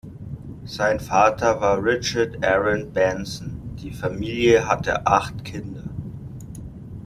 Sein Vater war Richard Aaron Benson; die Familie hatte acht Kinder.